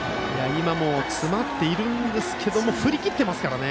今も詰まっているんですが振り切っていますからね。